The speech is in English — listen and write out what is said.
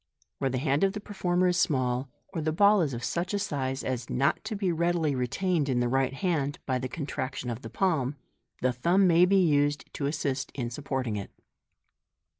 Where the hand of the performer is small, or the ball is of such a size as not to be readily retained in the right hand by the contraction of the palm, the thumb may be used to assist in supporting it.